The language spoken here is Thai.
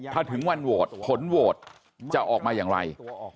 ถ้าถึงวันโหวตผลโหวตจะออกมาอย่างไร